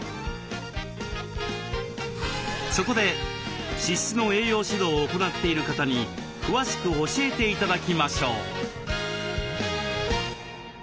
そこで脂質の栄養指導を行っている方に詳しく教えて頂きましょう。